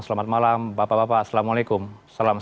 selamat malam bapak bapak assalamualaikum salam sehat